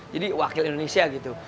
jadi wakil indonesia gitu